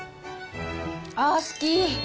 あー、好き。